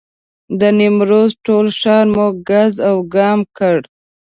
د نیمروز ټول ښار مو ګز وګام کړ.